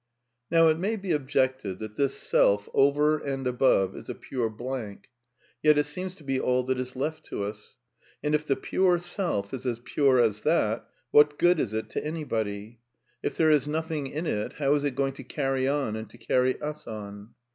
Now it may be objected that this self over and above is a pure blank. Yet it seems to be all that is left to us. And if the pure seK is as pure as that, what good is it to any body ? If there is nothing in it, how is it going to carry on and to carry us on